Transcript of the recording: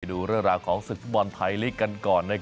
ดูราวของศึกธุ์ภูมิบอลไทยลิกกันก่อน